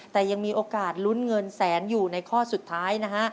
แต่ยังมีโอกาสลุ้นเงินแสนอยู่ในข้อสุดท้ายนะฮะ